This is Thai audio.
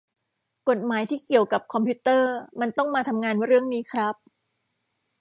กฎหมายที่เกี่ยวกับคอมพิวเตอร์มันต้องมาทำงานเรื่องนี้ครับ